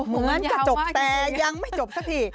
มันนั้นกระจกแต่ยังไม่จบสักที